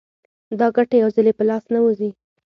دا ګټه یو ځلي په لاس نه ورځي